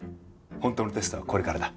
本当のテストはこれからだ。